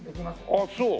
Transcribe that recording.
ああそう。